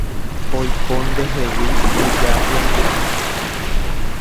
Oiko ndehegui mbyja pyahumi